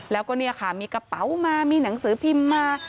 แล้วก็เนี่ยค่ะมีกระเป๋ามามีหนังสือพิมพ์มา